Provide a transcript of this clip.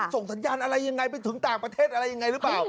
ส่งสัญญาณอะไรยังไงไปถึงต่างประเทศอะไรยังไงหรือเปล่า